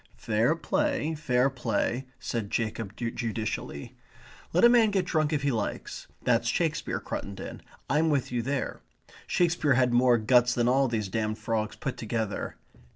"Fair play, fair play," said Jacob judicially. "Let a man get drunk if he likes. That's Shakespeare, Cruttendon. I'm with you there. Shakespeare had more guts than all these damned frogs put together.